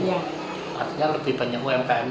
artinya lebih banyak umkm